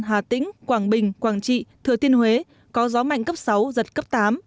hà tĩnh quảng bình quảng trị thừa thiên huế có gió mạnh cấp sáu giật cấp tám